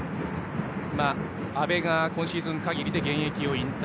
阿部が今シーズン限りで現役引退。